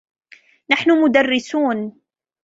نحن مدرسون.